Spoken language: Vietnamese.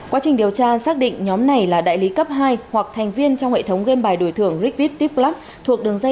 quá trình điều tra xác định nhóm này là đại lý cấp hai hoặc thành viên trong hệ thống game bài đổi thường rigvip tipclub